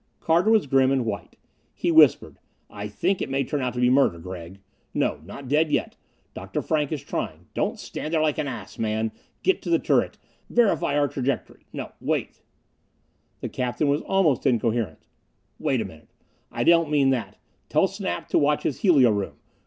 Carter was grim and white. He whispered, "I think it may turn out to be murder, Gregg! No, not dead yet Dr. Frank is trying Don't stand there like an ass, man! Get to the turret! Verify our trajectory no wait " The captain was almost incoherent. "Wait a minute, I don't mean that! Tell Snap to watch his helio room.